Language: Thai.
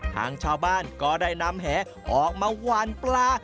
ทางชาวบ้านก็ได้นำแหออกมาหวานปลา